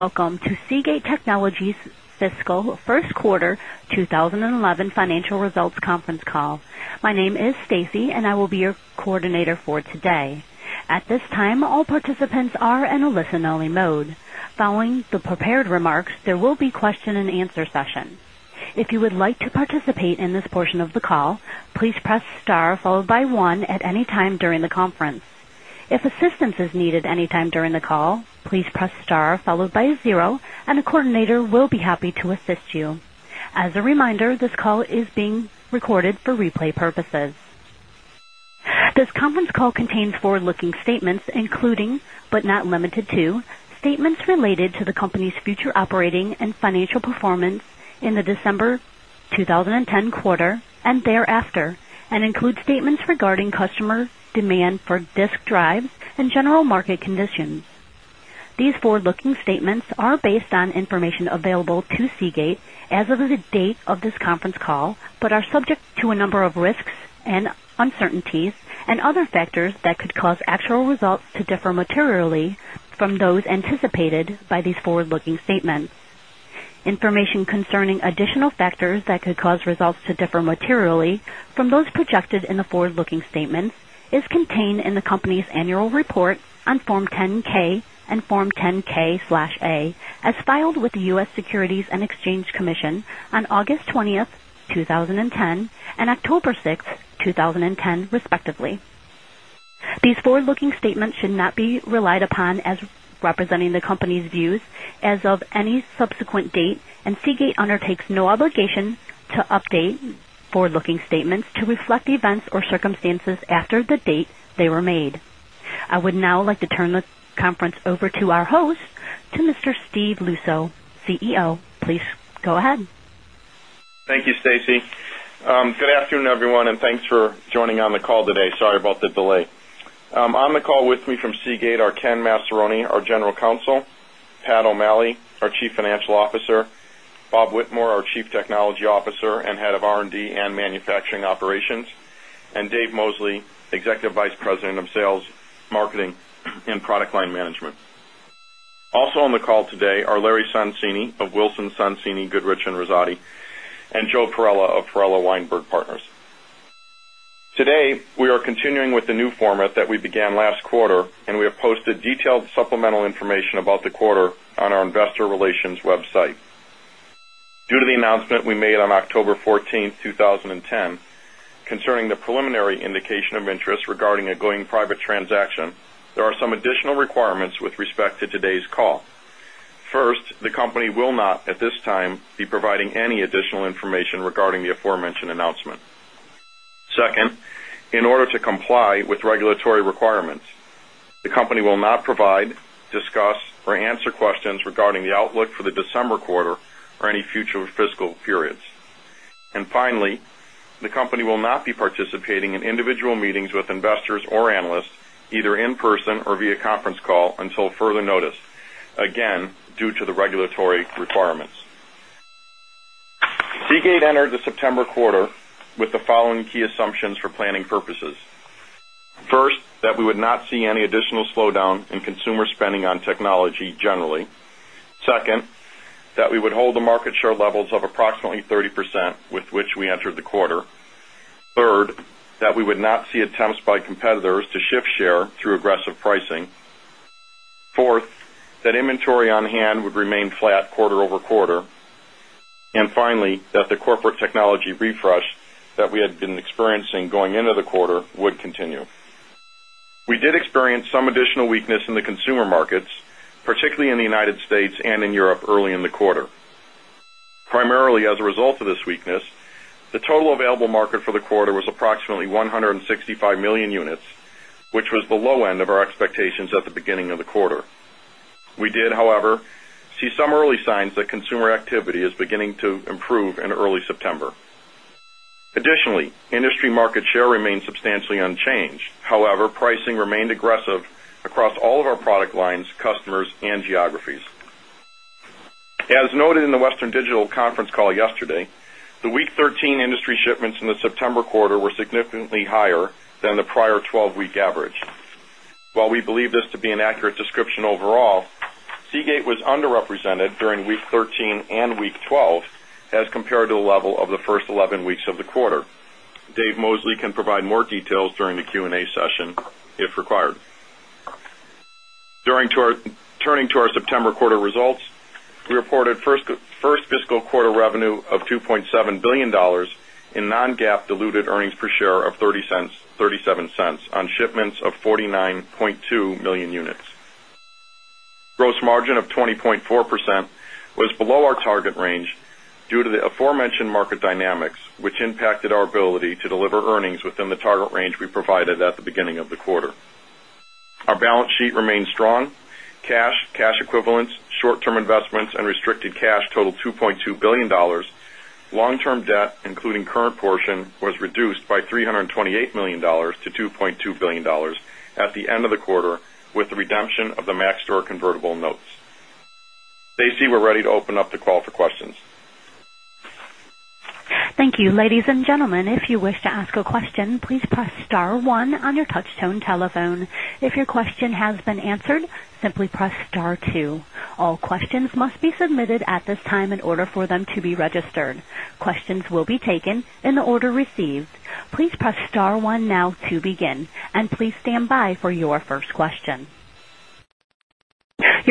Welcome to Seagate Technologies Fiscal First Quarter 2011 Financial Results Conference Call. My name is Stacy, and I will be your coordinator for today. At this time, all participants are in a listen only mode. Following the prepared remarks, there will be question and answer session. As a reminder, this call is being recorded for replay purposes. This conference call contains forward looking statements, including, but not limited to, statements related to the company's future operating and financial performance in the December 2010 quarter and thereafter and include statements regarding customer demand for disk drives and general market conditions. These forward looking statements are based on information available to Seagate as of the date of this conference call, but are subject to a number of risks and uncertainties and other factors that could cause actual results to differ materially from those anticipated by these forward looking statements. Information concerning additional factors that could cause results to differ materially from those projected in the forward looking statements is contained in the company's annual report on Form 10 ks and Form 10 ksA as filed with the U. S. Securities and Exchange Commission on August 20, 2010, and October 6, 2010, respectively. These forward looking statements should not be relied upon as representing the company's views as of any subsequent date and Seagate undertakes no obligation to update forward looking statements to reflect events or circumstances after the date they were made. I would now like to turn the conference over to our host to Mr. Steve Lusso, CEO. Please go ahead. Thank you, Stacy. Good afternoon, everyone, and thanks for joining on the call today. Sorry about the delay. On the call with me from Seagate are Ken Massaroni, our General Counsel Pat O'Malley, our Chief Financial Officer Bob Whitmore, our Chief Technology Officer and Head of R and D and Manufacturing Operations and Dave Mosley, Executive Vice President of Sales, Marketing and Product Line Management. Also on the call today are Larry Sonsini of Wilson Sonsini, Goodrich and Rossotti and Joe Perella of Perella Weinberg Partners. Today, we are continuing with the new format that we began last quarter and we have posted detailed supplemental information about the quarter on our Investor Relations Web site. Due to the announcement we made on October 14, 2010, concerning the preliminary indication of interest regarding a going private transaction, there are some additional requirements with respect to today's call. First, the company will not at this time be providing any additional information regarding the aforementioned announcement. 2nd, in order to comply with regulatory requirements, the company will not provide, discuss or answer questions regarding the outlook for the December quarter or any future fiscal periods. And finally, the company will not be participating in individual meetings with investors or analysts either in person or via conference call until further notice, again, due to the regulatory requirements. Seagate entered the September quarter with the following key assumptions for planning purposes. First, that we would not see any additional slowdown in consumer spending on technology generally. 2nd, that 2nd, that we would hold the market share levels of approximately 30% with which we entered the quarter. 3rd, that we would not see attempts by competitors to shift aggressive pricing 4th, that inventory on hand would remain flat quarter over quarter and finally that the corporate technology refresh that we had been experiencing going into the quarter would continue. We did experience some additional weakness in the consumer markets, particularly in the United States and in Europe early in the quarter. Primarily as a result of this weakness, the total available market for the quarter was approximately 165,000,000 units, which was the low end of our expectations at the beginning of the quarter. We did, however, see some early signs that consumer activity is beginning to improve in early September. Additionally, industry market share remains substantially unchanged. However, pricing remained aggressive across all of our product lines, customers and geographies. As noted in the Western Digital conference call yesterday, the week 13 industry shipments in the September quarter were represented during week 13 week 12 as compared to the level of the 1st 11 weeks of the quarter. Dave Mosley can provide more details during the Q and A session if required. Turning to our September quarter results, we reported 1st fiscal quarter revenue of 2,700,000,000 dollars in non GAAP diluted earnings per share of $0.37 on shipments of 49,200,000 units. Gross margin of 20.4 percent was below our target range due to the aforementioned market dynamics, which impacted our ability to deliver earnings within the target range we provided at the beginning of the quarter. Our balance sheet remains strong. Cash, cash equivalents, short term investments and restricted cash totaled $2,200,000,000 Long term debt, including current portion was reduced $328,000,000 to $2,200,000,000 at the end of the quarter with the redemption of the Max store convertible notes. Stacy, we're ready to open up the call for questions. Thank you. Your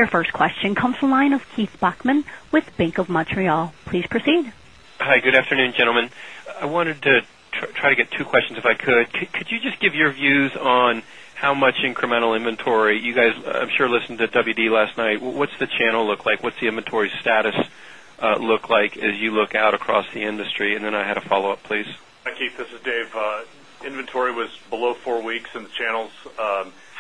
first question comes from the line of Keith Bachman with Bank of Montreal. Please proceed. Hi, good afternoon, gentlemen. I wanted to try to get 2 questions if I could. Could you just give your views on how much incremental inventory you guys I'm sure listened to WD last night, what's the channel look like? What's the inventory status look like as you look out across the industry? And then I had a follow-up please. Keith, this is Dave. Inventory was below 4 weeks in the channels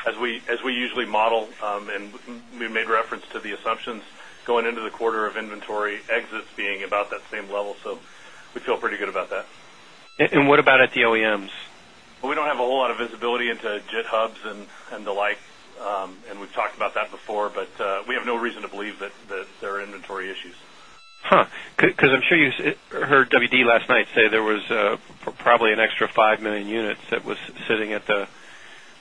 as we usually model and we made reference to the assumptions going into the quarter of inventory, exits being about that same level. So, we feel pretty good about that. And what about at the OEMs? Well, we don't have a whole lot of visibility into JIT hubs and the like, and we've talked about that before, but we have no reason to believe that there are inventory issues. Because I'm sure you heard WD last night say there was probably an extra 5,000,000 units that was sitting at the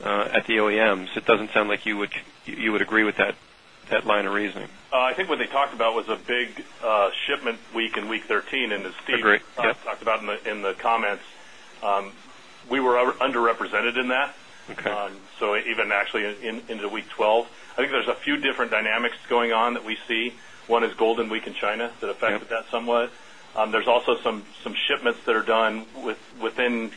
OEMs. It doesn't sound like you would agree with that line of reasoning. I think what they talked about was a big shipment week in week 13 and as Steve talked about in the comments, we were underrepresented in that. So even actually into week 12, I think there is a few different dynamics going on that we see. 1 is Golden Week in China that affected that somewhat. There's also some shipments that are done within,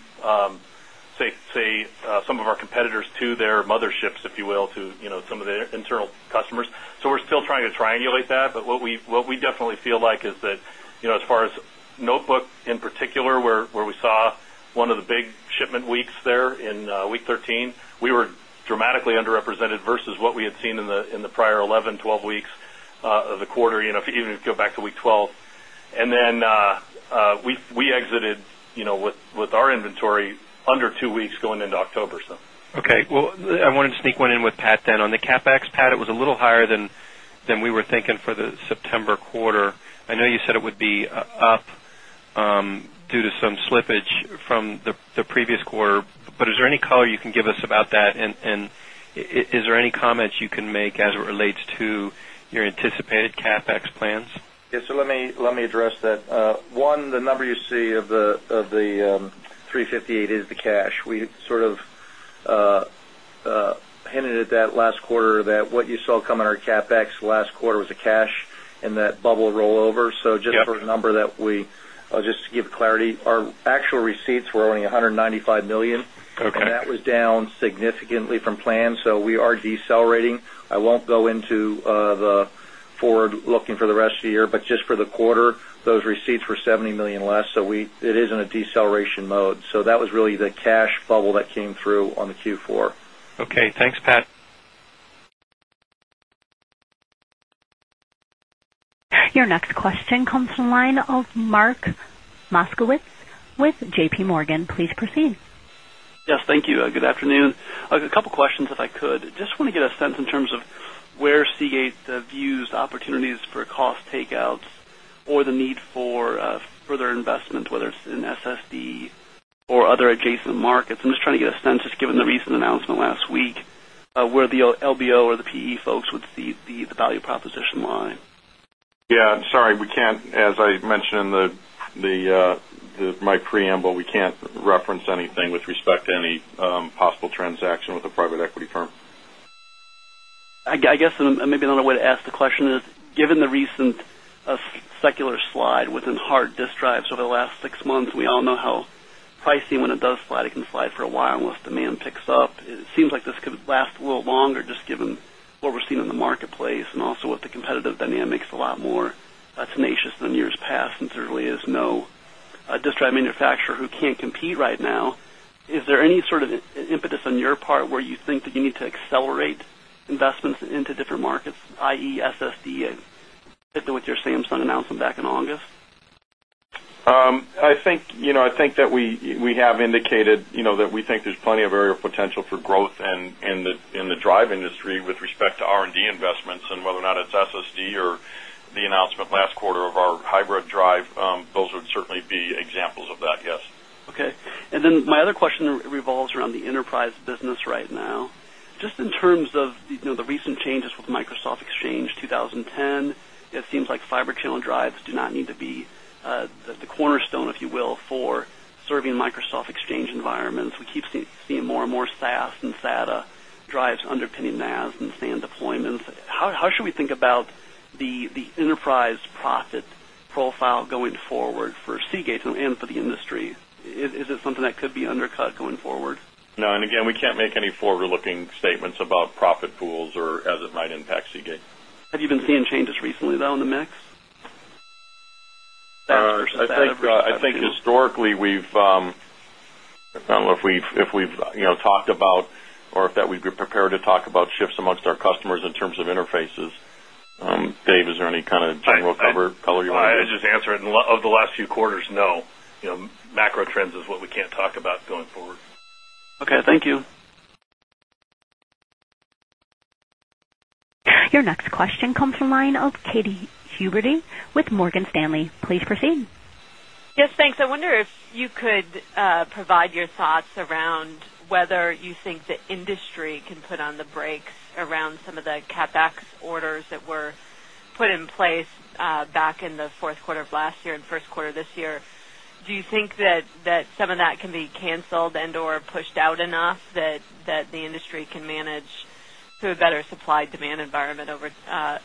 say, some of our competitors to their mother ships, if you will, to some of their internal customers. So we're still trying to triangulate that, but what we definitely feel like is that as far as notebook in particular where we saw one of the big shipment weeks there in week 13, we were dramatically underrepresented versus what we had seen in the prior 11, 12 weeks of the quarter, even if you go back to week 12. And then we exited with our inventory under 2 weeks going into October. Okay. Well, I wanted to sneak one in with Pat then. On the CapEx, Pat, it was a little higher than we were thinking for the September quarter. I know you said it would be up due to some slippage from the previous quarter, but is there any color you can give us about that? And is there any comments you can make as it relates to your anticipated CapEx plans? Yes. So, let me address that. One, the number you see of the 358 is the cash. We sort of hinted at that last quarter that what you saw coming our CapEx last quarter was a cash that bubble rollover. So just for a number that we just to give clarity, our actual receipts were only 195 $1,000,000 and that was down significantly from plan. So we are decelerating. I won't go into the forward looking for the rest of the year, but just for the quarter, those receipts were $70,000,000 less. So we it is in a deceleration mode. So that was really the cash bubble that came through on the Q4. Okay. Thanks, Pat. Your next question comes from the line of Mark Moskowitz with JPMorgan. Please proceed. Yes. Thank you. Good afternoon. A couple of questions if I could. Just want to get a sense in terms of where Seagate views opportunities for cost takeouts or the need for further investment whether it's in SSD or other adjacent markets. I'm just trying to get a sense just given the recent announcement last week, where the LBO or the PE folks would see the value proposition line? Yes, I'm sorry, we can't as I mentioned in my preamble, we can't reference anything with respect to any possible transaction with a private equity firm. I guess, maybe another way to ask the question is, given the recent secular slide within hard disk drives over the last 6 months, we all know how pricing when it does slide, it can slide for a while unless demand picks up. It seems like this could last a little longer just given what we're seeing in the marketplace and also with the competitive dynamics a lot more tenacious than years past and certainly is no disk drive manufacturer who can't compete right now. Is there any sort of impetus on your part where you think that you need to accelerate investments into different markets, I. E. SSD with your Samsung announcement back in August? I think that we have indicated that we think there's plenty of area of potential for growth in the drive industry with respect to R and D investments and whether or not it's SSD or the announcement last quarter of our hybrid drive, those would certainly be examples of that, yes. Okay. And then my other question revolves around the enterprise business right now. Just in terms of the recent changes with Microsoft Exchange 2010, it seems like fiber channel drives do not need to be the cornerstone, if you will, for serving Microsoft Exchange environments. We keep seeing more and more SaaS and SATA drives underpinning NAS and SAN deployments. How should we think about the enterprise profit profile going forward for Seagate and for the industry? Is it something that could be undercut going forward? No. And again, we can't make any forward looking statements about profit pools or as it might impact Seagate. Have you been seeing changes recently though in the mix versus that? I think historically, we've I don't know if we've talked about or if that we'd be prepared to talk about shifts amongst our customers in terms of interfaces. Dave, is there any kind of general color you want to add? I'll just answer it. Over the last few quarters, no. Macro trends is what we can't talk about going forward. Okay. Thank you. Your next question comes from the line of Katy Huberty with Morgan Stanley. Please proceed. Yes, thanks. I wonder if you could provide your thoughts around whether you think the industry can put on the brakes around some of the CapEx orders that were put in place back in the Q4 of last year and Q1 this year. Do you think that some of that can be canceled and or pushed out enough that the industry can manage through a better supply demand environment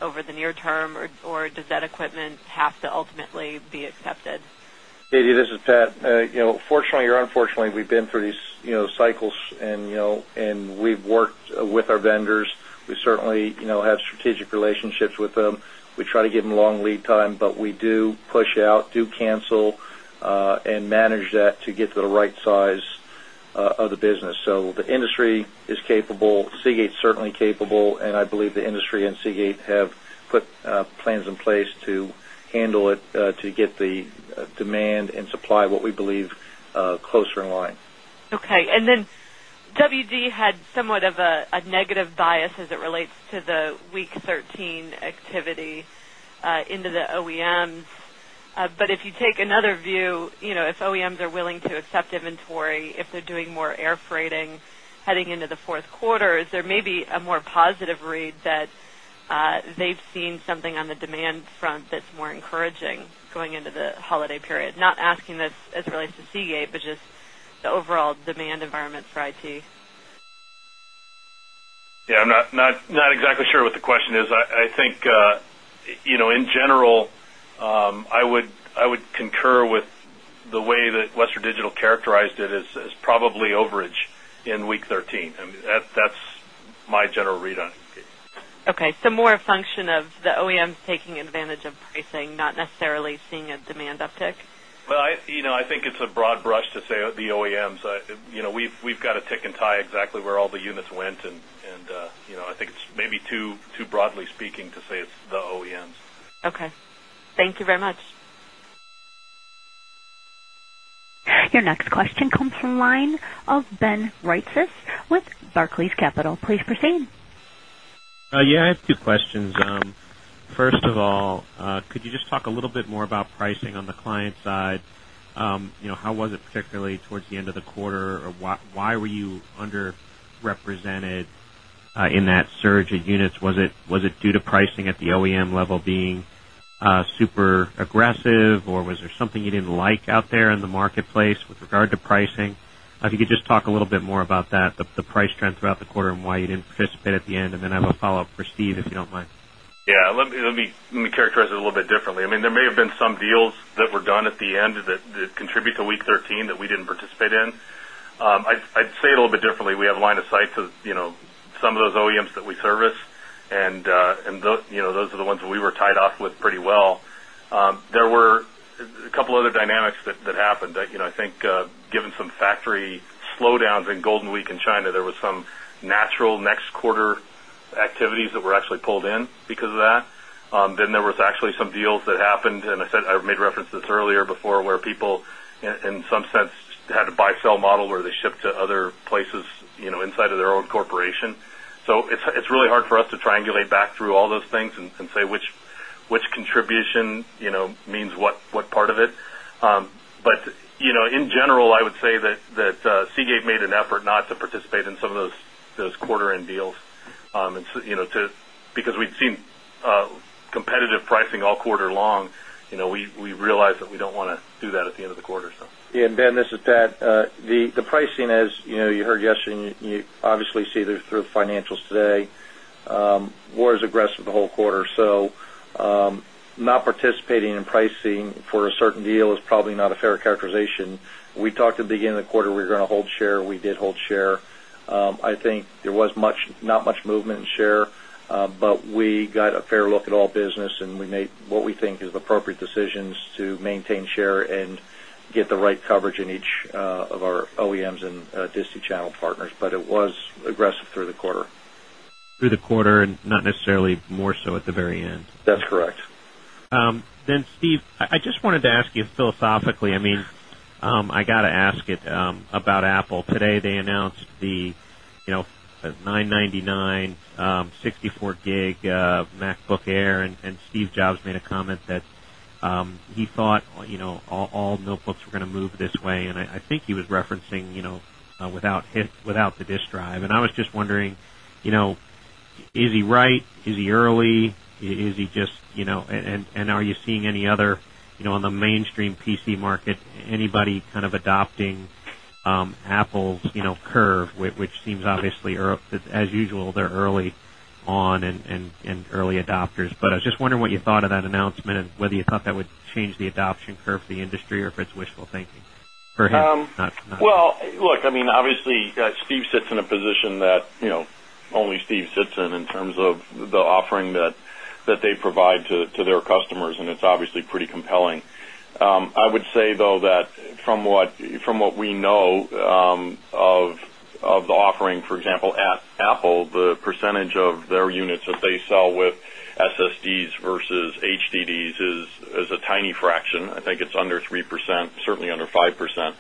over the near term or does that equipment have to ultimately be accepted? Adi, this is Pat. Fortunately or unfortunately, we've been through these cycles and we've worked with our vendors. We certainly have strategic relationships with them. We try to give them long lead time, but we do push out, do cancel and manage that to get to the right size of the business. So, the industry is capable, Seagate is certainly capable and I believe the industry and Seagate have put plans in place to handle it to get the demand and supply what we believe closer in line. Okay. And then, WD had somewhat of a negative bias as it relates to the week 13 activity into the OEMs. But if you take another view, if OEMs are willing to accept inventory, if they're doing more air freighting heading into the 4th quarter, is there maybe a more positive read that they've seen something on the demand front that's more encouraging going into the holiday period? Not asking this as it relates to Seagate, but just overall demand environment for IT? Yes, I'm not exactly sure what the question is. I think in general, I would concur with the way that Western Digital characterized it as probably overage in week 13. I mean, that's my general read on it. Okay. So more a function of the OEMs taking advantage of pricing, not necessarily seeing a demand uptick? Well, I think it's a broad brush to say the OEMs. We've got a tick and tie exactly where all the units went and I think it's maybe too broadly speaking to say it's the OEMs. Okay. Thank you very much. Your next question comes from the line of Ben Reitzes with Barclays Capital. Please proceed. Yes. I have two questions. First of all, could you just talk a little bit more about pricing on the client side? How was it particularly towards the end of the quarter? Why were you underrepresented in that surge of units? Was it due to pricing at the OEM level being super aggressive? Or was there something you didn't like out there in the marketplace with regard to pricing? You could just talk a little bit more about that, the price trend throughout the quarter and why you didn't participate at the end? And then I have a follow-up for Steve, if you don't mind. Yes. Let me characterize it a little bit differently. I mean, there may have been some deals that were done at the end that contribute to week 13 that we didn't participate in. I'd say it a little bit differently. We have line of sight to some of those OEMs that we service and those are the ones that we were tied off with pretty well. There were a couple of other dynamics that happened. I think given some factory slowdowns in Golden Week in China, there was some natural next quarter activities that were actually pulled in because of that. Then there was actually some deals that happened and I said I made reference to this earlier before where people in some sense had to buy sell model where they shipped to other places inside of their own corporation. So it's really hard for us to triangulate back through all those things and say which contribution means what part of it. But in general, I would say that Seagate made an effort not to participate in some of those quarter end deals. And because we've seen competitive pricing all quarter long, we realized that we don't want to do that at the end of the quarter. Yes. And Ben, this is Pat. The pricing as you heard yesterday, you obviously see this through the financials today, we're as aggressive the whole quarter. So, not participating in pricing for a certain deal is probably not a fair characterization. We talked at the beginning of the quarter we're going to hold share, we did hold share. I think there was not much movement in share, but we got a fair look at all business and we made what we think is appropriate decisions to maintain share and get the right coverage in each of our OEMs and distichannel partners, but it was aggressive through the quarter. Through the quarter and not necessarily more so at the very end? That's correct. Then Steve, I just wanted to ask you philosophically, I mean, I got to ask it about Apple. Today they announced the 999, 64 gig MacBook Air and Steve Jobs made a comment that he thought all notebooks were going to move this way. And I think he was referencing without the disk drive. And I was just wondering is he right? Is he early? Is he just and are you seeing any other on the mainstream PC market anybody kind of adopting Apple's curve which seems obviously as usual they're early on and early adopters. But I just wonder what you thought of that announcement and whether you thought that would change the adoption curve for the industry or if it's wishful thinking? Well, look, I mean, obviously, Steve sits in a position that only Steve sits in, in terms of the offering that they provide to their customers and it's obviously pretty compelling. I would say though that from what we know of the offering, for example, at Apple, the percentage of their units that they sell with SSDs versus HDDs is a tiny fraction. I think it's under 3%, certainly under 5%.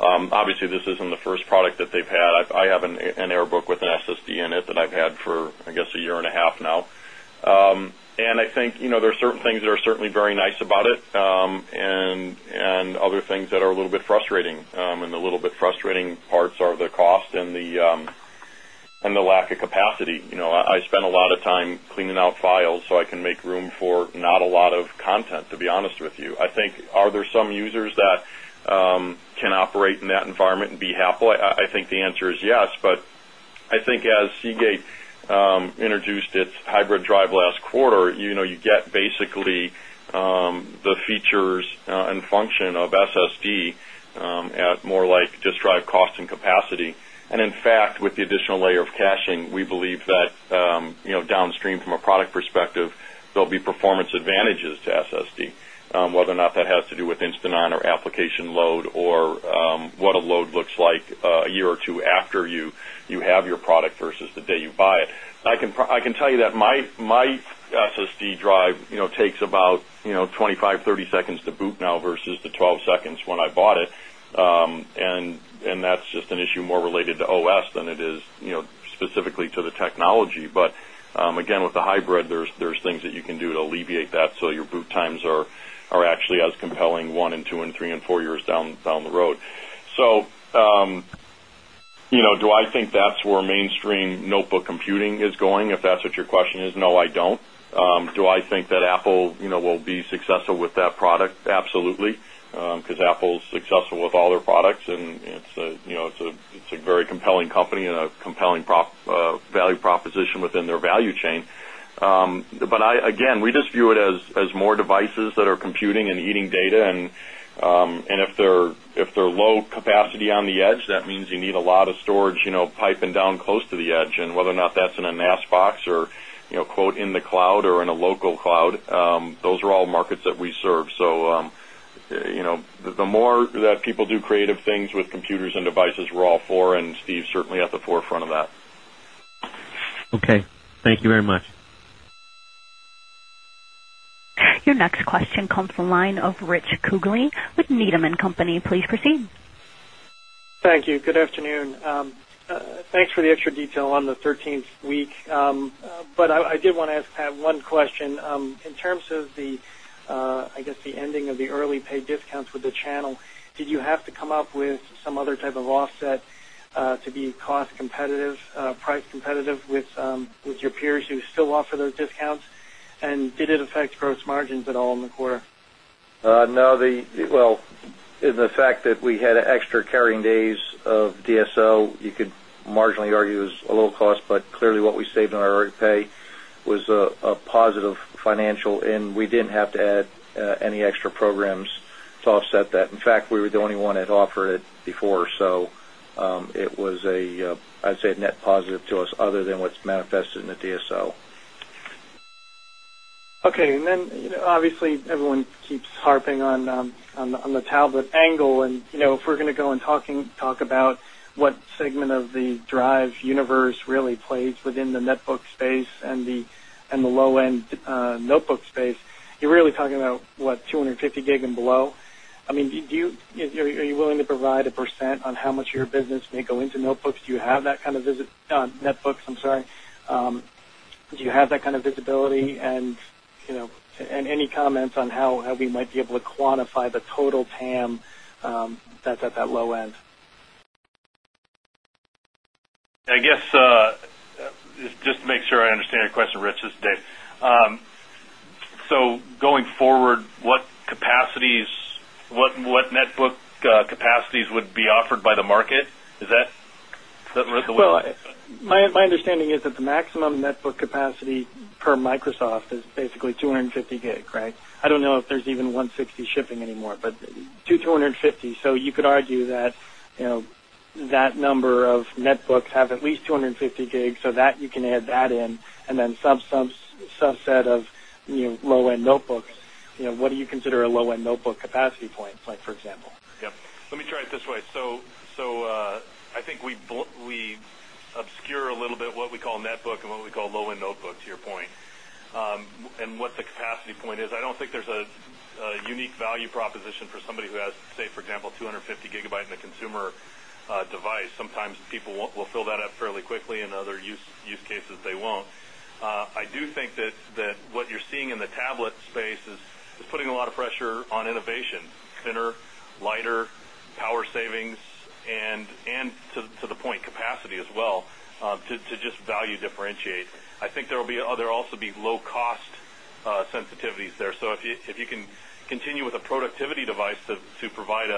Obviously, this isn't the first product that they've had. I have an air book with an SSD in it that I've had for, I guess, a year and a half now. And I think there are certain things that are certainly very nice about it and other things that are a little bit frustrating and the little bit frustrating parts are the cost and the lack of capacity. I spent a lot of time cleaning out files, so I can make room for not a lot of content to be honest with you. I think are there some users that can operate in that environment and be happy? I think the answer is yes. But I think as Seagate introduced its hybrid drive last quarter, you get basically the features and function of SSD at more like disk drive cost and capacity. And in fact, with the additional layer of caching, we believe that downstream from a product perspective, there'll be performance advantages to SSD, whether or not that has to do with Insta non or application load or what a load looks like a year or 2 after you have your product versus the day you buy it. I can tell you that my SSD drive takes about 25, 30 seconds to boot now versus the 12 seconds when I bought it. And that's just an issue more related to OS than it is specifically to the technology. But again with the hybrid, there is things that you can do to alleviate that. So your boot times are actually as compelling 1, 2, 3, and 4 years down the road. So, do I think that's where mainstream notebook computing is going? If that's what your question is, no, I don't. Do I think that Apple will be successful with that product? Absolutely, because Apple is successful with all their products and it's a very compelling company and a compelling value proposition within their value chain. But again, we just view it as more devices that are computing and eating data and if they're low capacity on the edge, that means you need a lot of storage piping down close to the edge and whether or not that's in a NAS box or in the cloud or in a local cloud, those are all markets that we serve. So the more that people do creative things with computers and devices, we're all for and Steve is certainly at the forefront of that. Okay. Thank you very much. Your next question comes from the line of Rich Kugelian with Needham and Company. Please proceed. Thank you. Good afternoon. Thanks for the extra detail on the 13th week. But I did want to ask Pat one question. In terms of the, I guess, the ending of the early pay discounts with the channel, did you have to come up with some other type of offset to be cost competitive, price competitive with your peers who still offer those discounts? And did it affect gross margins at all in the quarter? No. The well, the fact that we had extra carrying days of DSO, you could marginally argue is a low cost, but clearly what we saved on our pay was a positive financial and we didn't have to add any extra programs to offset that. In fact, we were the only one that offered it before. So, it was a, I'd say, net positive to us other than what's manifested in the DSO. Okay. And then obviously, everyone keeps harping on the tablet angle and if we're going to go and talk about what segment of the drive universe really plays within the netbook space and the low end notebook space, you're really talking about what 250 gig and below. I mean, do you are you willing to provide a percent on how much of your business may go into notebooks? Do you have that kind of netbooks, I'm sorry. Do you have that kind of visibility? And any comments on how we might be able to quantify the total TAM that's at that low end? I guess, just to make sure I understand your question, Rich, this is Dave. So going forward, what net book capacities would be offered by the market? Is that worth a little bit? Well, my understanding is that the maximum net book capacity per Microsoft is basically 250 gig, right? I don't know if there's even 160 shipping anymore, but 250. So you could argue that that number of netbooks have at least 250 gig, so that you can add that in and then subset of low end notebooks, what do you consider a low end notebook capacity points, like for example? Yes. Let me try it this way. So I think we obscure a little bit what we call net book and what we call low end notebook to your point and what the capacity point is. I don't think there's a unique value proposition for somebody who has, say, for example, 250 gigabyte in the consumer device. Sometimes people will fill that up fairly quickly and other use cases they won't. I do think that what you're seeing in the tablet space is putting a lot of pressure on innovation, thinner, lighter, power savings and to the point capacity as well to just value differentiate. I think there will be other also be low cost sensitivities there. So if you can continue with a productivity device to provide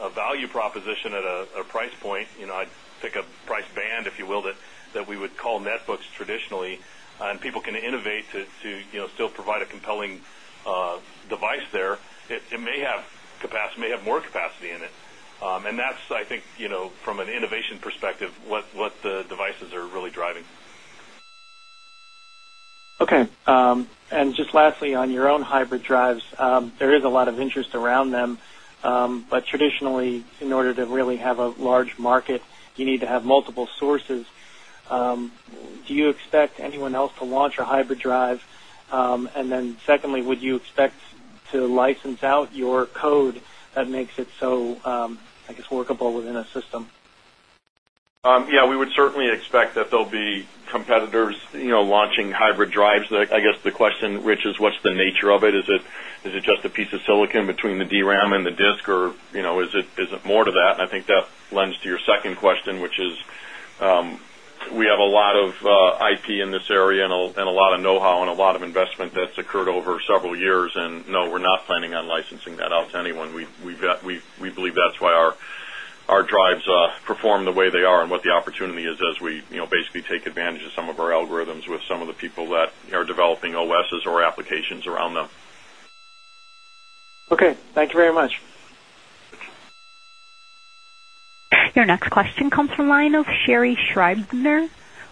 a value proposition at a price point, I'd pick a price band, if you will, that we would call netbooks traditionally and people can innovate to still provide a compelling device there, it may have capacity may have more capacity in it. And that's I think from an innovation perspective what the devices are really driving. Okay. And just lastly on your own hybrid drives, there is a lot of interest around them. But traditionally, in order to really have a large market, you need to have multiple sources. Do you expect anyone else to launch a hybrid drive? And then secondly, would you expect to license out your code that makes it so, I guess, workable within a system? Yes, we would certainly expect that there'll be competitors launching hybrid drives. I guess the question, Rich, is what's the nature of it? Is it just a piece of silicon between the DRAM and the disk or is it more to that? And I think that lends to your second question, which is we have a lot of IP in this area and a lot of know how and a lot of investment that's occurred over several years. And no, we're not planning on licensing that out to anyone. We believe that's why our drives perform the way they are and what the opportunity is as we basically take advantage of some of our algorithms with some of the people that are developing OSs or applications around them. Okay. Thank you very much. Your next question comes from the line of Sherry Schreiber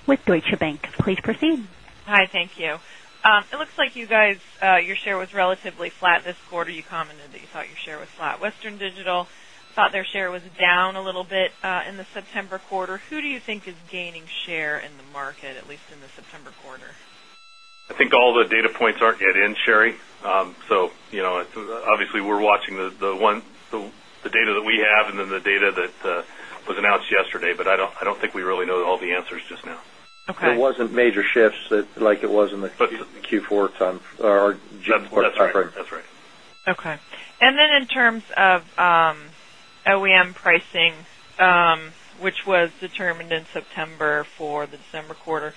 with Deutsche Bank. Please proceed. Hi, thank you. It looks like you guys your share was relatively flat this quarter. You commented that you thought your share was flat. Western Digital thought their share was down a little bit in the September quarter. Who do you think is gaining share in the market at least in the September quarter? I think all the data points aren't yet in Sherry. So obviously, we're watching the data that we have and then the data that was announced yesterday, but I don't think we really know all the answers just now. Okay. There wasn't major shifts like it was in the Q4 or Q4. That's right. That's right. Okay. And then in terms of OEM pricing, which was determined in September for the December quarter,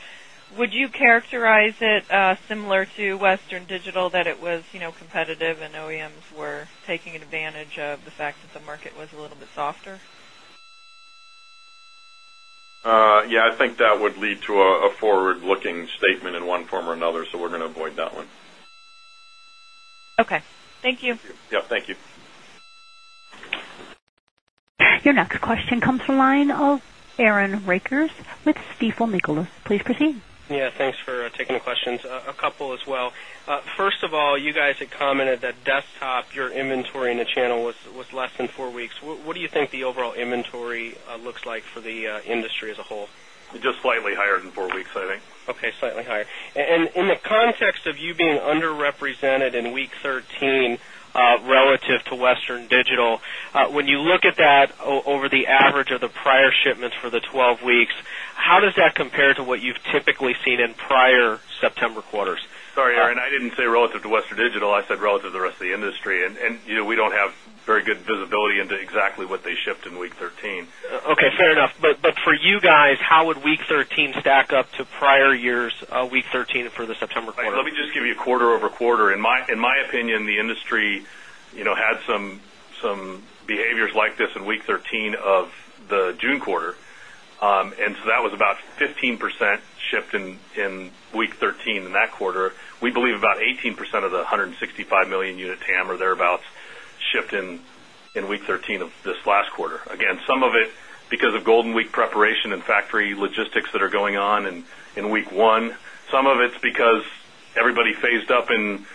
would you characterize it similar to Western Digital that it was competitive and OEMs were taking advantage of the fact that the market was a little bit softer? Yes, I think that would lead to a forward looking statement in one form or another. So we're going to avoid that one. Okay. Thank you. Yes. Thank you. Your next question comes from the line of Aaron Rakers with Stifel Nicolaus. Please proceed. Yes. Thanks for taking the questions. A couple as well. First of all, you guys had commented that desktop, your inventory in the channel was less than 4 weeks. What do you think the overall inventory looks like for the industry as a whole? Just slightly higher than 4 weeks, I think. Okay, slightly higher. And in the context of you being underrepresented in week 13 relative to Western Digital, when you look at that over the average of the prior shipments for the 12 weeks, how does that compare to what you've typically seen in prior September quarters? Sorry, Aaron, I didn't say relative to Western Digital. I said relative to the rest of the industry and we don't have very good visibility into exactly what they shipped in week 13. Okay, fair enough. But for you guys, how would week 13 stack up to prior year's week 13 for the September quarter? Let me just give you a quarter over quarter. In my opinion, the industry had some behaviors like this in week 13 of the June quarter. And so that was about 15% shift in week 13 in that quarter. We believe about 18% of the 165,000,000 unit TAM or thereabouts shipped in week 13 of this last quarter. Again, some of it because of Golden Week preparation and factory logistics that are going on in week 1, some of it's because everybody phased up in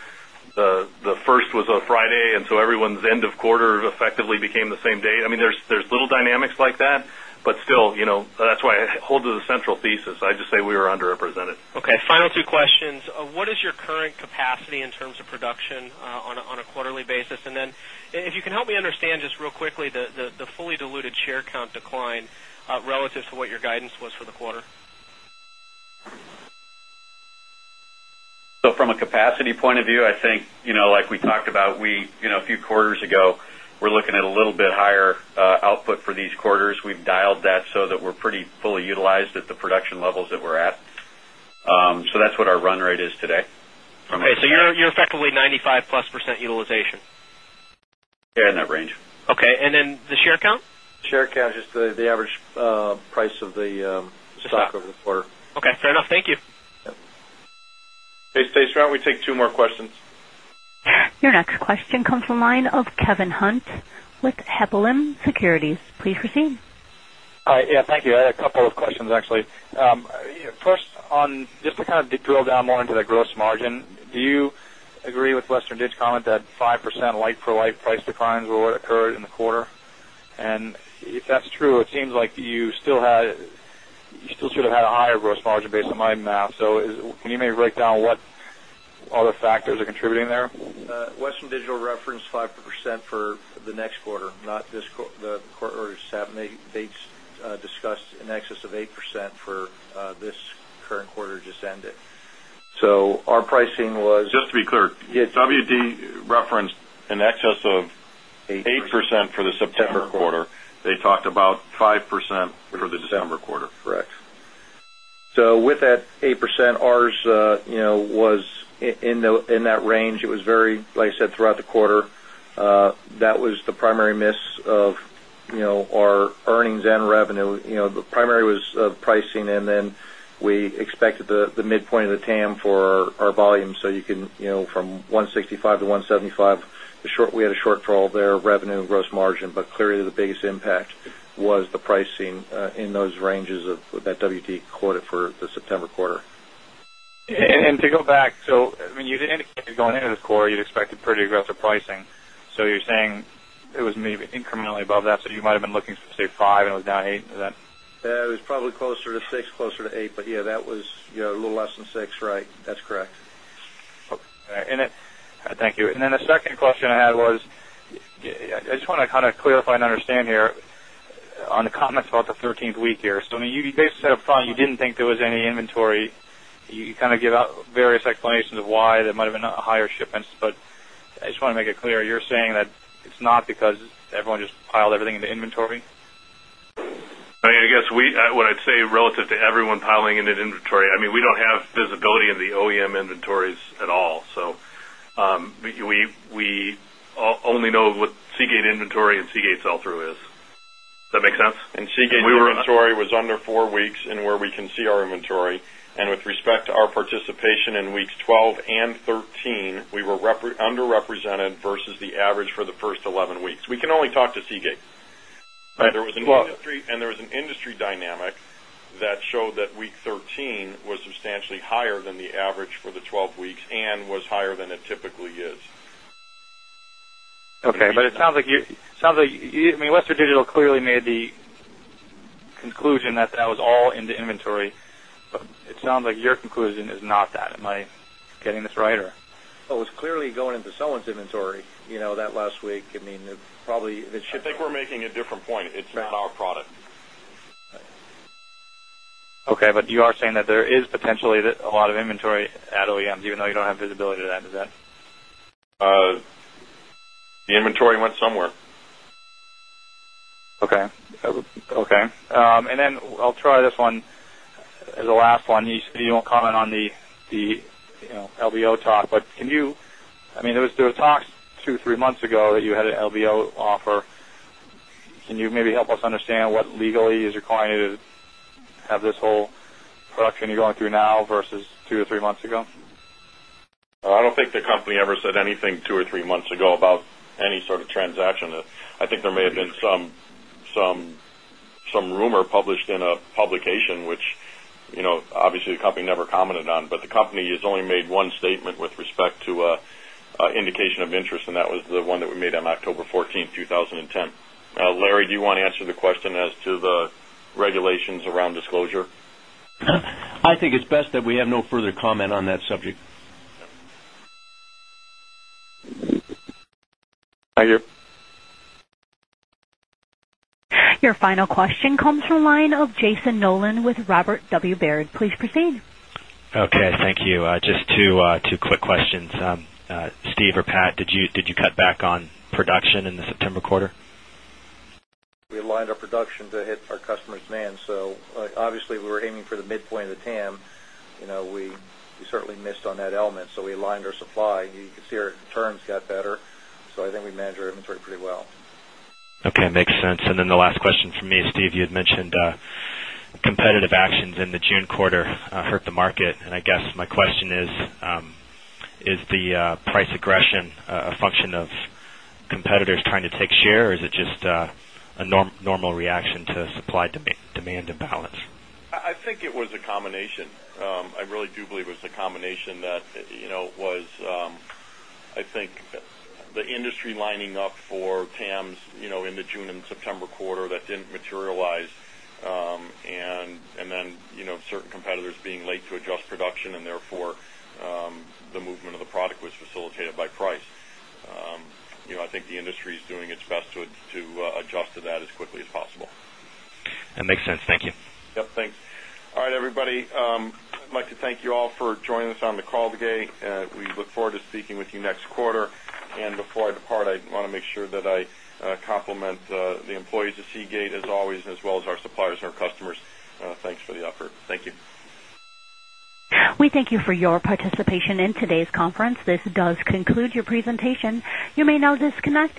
the first was a Friday and so everyone's end of quarter effectively became the same day. I mean, there's little dynamics like that, but still that's why I hold to the central thesis. I just say we were underrepresented. Okay. Final two questions. What is your current capacity in terms of production on a quarterly basis? And then if you can help me understand just real quickly the fully diluted share count decline relative to what your guidance was for the quarter? So from a capacity point of view, I think like we talked about a few quarters ago, we're looking at a little bit higher output for these quarters. We've dialed that so that we're pretty fully utilized at the production levels that we're at. So that's what our run rate is today. Okay. So you're effectively 95% plus utilization? Yes, in that range. Okay. And then the share count? Share count is just the average price of the stock over the quarter. Okay, fair enough. Thank you. Hey, Stacey, why don't we take 2 more questions? Your next question comes from the line of Kevin Hunt with Heplim Securities. Please proceed. Hi, yes. Thank you. I had a couple of questions actually. First on just to kind of drill down more into the gross margin, do you agree with Western Digital and that 5% like for like price declines were what occurred in the quarter? And if that's true, it seems like you still had a higher gross margin base on my math. So can you maybe break down what other factors are contributing there? Western Digital referenced 5% for the next quarter, not this quarter. The quarter 7, 8 dates discussed in excess of 8% for this current quarter just ended. So our pricing was Just to be clear, WD referenced in excess of 8% for the September quarter. They talked about 5% for the December quarter. Correct. So with that 8% ours was in that range. It was very like I said throughout the quarter. That was the primary miss of our earnings and revenue. The primary was pricing and then we expected the midpoint of the TAM for our volume. So you can from 165 to 175, we had a shortfall there of revenue and gross margin, but clearly the biggest impact was the pricing in those ranges of that WT quarter for the September quarter. And to go back, so when you did indicate going into this quarter, you'd expected pretty aggressive pricing, so you're saying it was maybe incrementally above that, so you might have been looking, say, 5% and it was down 8% to that? Yes, it was probably closer to 6%, closer to 8%, but yes, that was a little less than 6%, right. That's correct. Okay. And then the second question I had was, I just want to kind of clarify and understand here on the comments about the 13th week here. So, I mean, you basically said upfront you didn't think there was any inventory. You kind of give out various explanations of why there might have been higher shipments. But I just want to make it clear, you're saying that it's not because everyone just piled everything into inventory? I guess, we what I'd say relative to everyone piling in that inventory, I mean, we don't have visibility in the OEM inventories at all. So we only know what Seagate inventory and Seagate sell through is. Sense? And Seagate inventory was under 4 weeks and where we can see our inventory and with respect to our participation in weeks 1213, were underrepresented versus the average for the 1st 11 weeks. We can only talk to Seagate. Right. And there was an industry dynamic that showed that week 13 was substantially higher than the average for the 12 weeks and was higher than it typically is. Okay. But it sounds like you I mean, Western Digital clearly made the conclusion that, that was all in the inventory. It sounds like your conclusion is not that. Am I getting this right or? Well, it was clearly going into someone's inventory that last week. I mean, probably it should be I think we're making a different point. It's not our product. Okay. But you are saying that there is potentially a lot of inventory at OEMs even though you don't have visibility to that, is that? The inventory went somewhere. Okay. And then I'll try this one. The last one, you said you won't comment on the LBO talk, but can you I mean, there were talks 2 or 3 months ago that you had an LBO offer. Can you maybe help us understand what legally is your client to have this whole production you're going through now versus 2 or 3 months ago? I don't think the company ever said anything 2 or 3 months ago about any sort of transaction. I think there may have been some rumor published in a publication, which obviously the company never commented on, but the company has only made one statement with respect to indication of interest and that was the one that we made on October 14, 2010. Larry, do you want to answer the question as to the regulations around disclosure? I think it's best that we have no further comment on that subject. Thank you. Your final question comes from line of Jason Nolan with Robert W. Baird. Please proceed. Okay. Thank you. Just two quick questions. Steve or Pat, did you cut back on production in the September quarter? We aligned our production to hit our customers' demand. So, obviously, we were aiming for the midpoint of the TAM. We certainly missed on that element. So, we aligned our supply. You can see our terms got better. So, I think we manage our inventory pretty well. Okay, makes sense. And then the last question for me, Steve, you had mentioned competitive actions in the June quarter hurt the market. And I guess my question is, is the price aggression a function of competitors trying to take share? Or is it just a normal reaction to supply demand imbalance? I think it was a combination. I really do believe it was a combination that was I think the industry lining up for TAMs in the June September quarter that didn't materialize and then certain competitors being late to adjust production and therefore the movement of the product was facilitated by price. I think the industry is doing its best to adjust to that as quickly as possible. That makes sense. Thank you. Yes. Thanks. All right, everybody. I'd like to thank you all for joining us on the call today. We look forward to speaking with you next quarter. And before I depart, I want to make sure that I compliment the employees of Seagate as always as well as our suppliers and our customers. Thanks for the effort. Thank you. We thank you for your participation in today's conference. This does conclude your presentation. You may now disconnect.